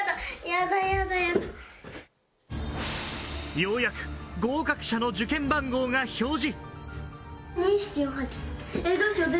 ようやく合格者の受験番号が表示。